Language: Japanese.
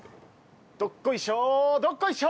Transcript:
どっこいしょどっこいしょ！